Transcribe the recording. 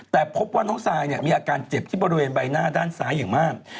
แต่พบว่าน้องซายมีอาการเจ็บที่บริเวณใบหน้าด้านซ้ายอย่างมาก